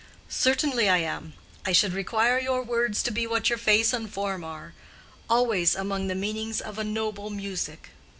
"Certainly I am. I should require your words to be what your face and form are—always among the meanings of a noble music."